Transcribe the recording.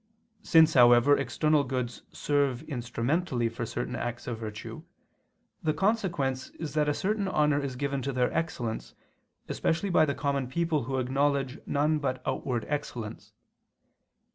Since, however, external goods serve instrumentally for certain acts of virtue, the consequence is that a certain honor is given to their excellence especially by the common people who acknowledge none but outward excellence.